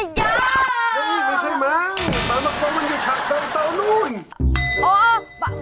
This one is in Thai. เฮ้ยไม่ใช่มั้งปางปะกงมันอยู่ชาติเชิงเซานู้น